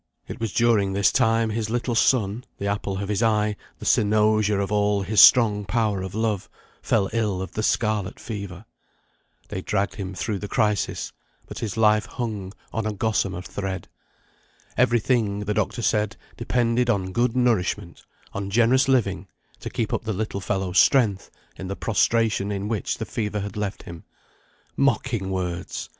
It was during this time his little son, the apple of his eye, the cynosure of all his strong power of love, fell ill of the scarlet fever. They dragged him through the crisis, but his life hung on a gossamer thread. Every thing, the doctor said, depended on good nourishment, on generous living, to keep up the little fellow's strength, in the prostration in which the fever had left him. Mocking words!